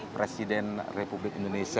presiden republik indonesia